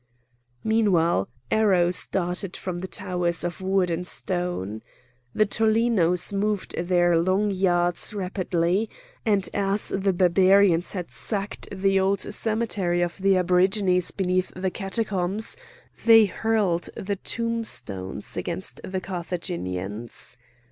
Meanwhile arrows darted from the towers of wood and stone. The tollenos moved their long yards rapidly; and as the Barbarians had sacked the old cemetery of the aborigines beneath the Catacombs, they hurled the tombstones against the Carthaginians.